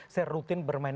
saya rutin bermain